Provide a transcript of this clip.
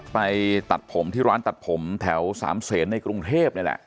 ไปตัดผมที่ร้านตัดผมแถวสามเศษในกรุงเทพนี่แหละ